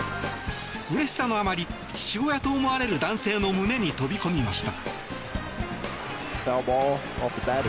うれしさのあまり父親と思われる男性の胸に飛び込みました。